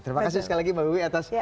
terima kasih sekali lagi mbak wiwi atas